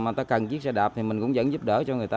mà ta cần chiếc xe đạp thì mình cũng vẫn giúp đỡ cho người ta